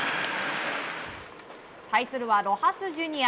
対するはロハス・ジュニア。